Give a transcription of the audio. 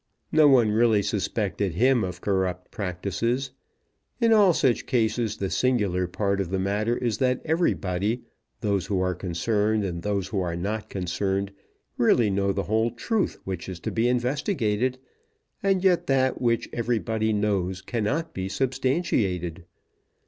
No one really suspected him of corrupt practices. In all such cases the singular part of the matter is that everybody, those who are concerned and those who are not concerned, really know the whole truth which is to be investigated; and yet, that which everybody knows cannot be substantiated.